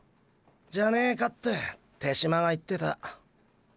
じゃねーかって手嶋が言ってた。